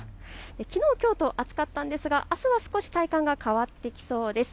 きのうきょうと暑かったんですが体感が変わってきそうです。